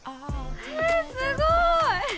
えすごい！